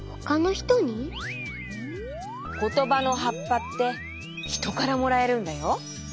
ことばのはっぱってひとからもらえるんだよ。